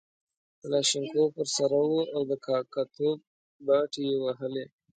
کلاشینکوف ورسره وو او د کاکه توب باټې یې وهلې.